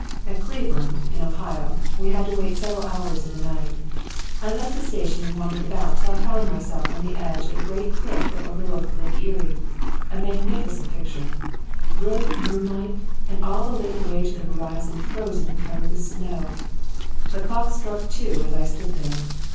At Cleveland, in Ohio, we had to wait several hours in the night; I left the station and wandered about till I found myself on the edge of a great cliff that looked over Lake Erie. A magnificent picture! Brilliant moonlight, and all the lake away to the horizon frozen and covered with snow. The clocks struck two as I stood there.